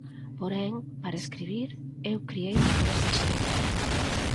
Porén, para escribir, eu crieime con esa historia.